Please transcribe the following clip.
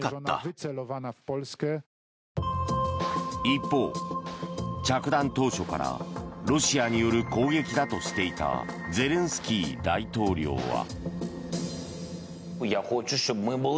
一方、着弾当初からロシアによる攻撃だとしていたゼレンスキー大統領は。